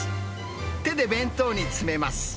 手で弁当に詰めます。